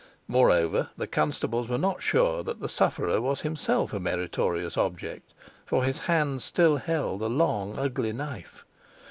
Moreover, the constables were not sure that the sufferer was himself a meritorious object, for his hand still held a long, ugly knife.